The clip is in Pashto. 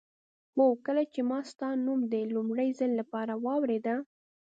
هو کله چې ما ستا نوم د لومړي ځل لپاره واورېده.